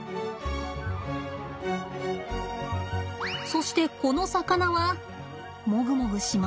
そしてこの魚はもぐもぐしません。